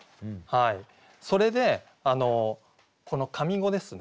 それでこの上五ですね